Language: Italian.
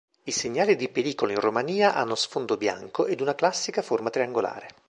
I segnali di pericolo in Romania hanno sfondo bianco ed una classica forma triangolare.